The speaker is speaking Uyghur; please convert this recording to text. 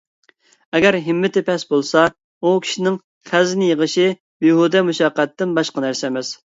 ئەگەر ھىممىتى پەس بولسا، ئۇ كىشىنىڭ خەزىنە يىغىشى بىھۇدە مۇشەققەتتىن باشقا نەرسە ئەمەس.